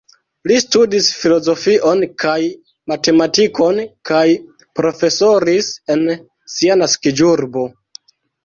Li studis filozofion kaj matematikon kaj profesoris en sia naskiĝurbo.